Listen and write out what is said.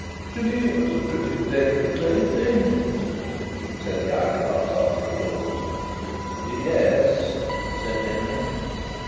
"Geneva's a pretty deadly place, ain't it?" said the eyeglass after a pause. "Ye es," said Denry.